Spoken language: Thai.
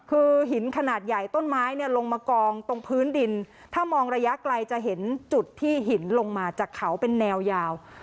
คือหินขนาดใหญ่ต้นไม้เนี่ยลงมากองตรงพื้นดินถ้ามองระยะไกลจะเห็นจุดที่หินลงมาจากเขาเป็นแนวยาว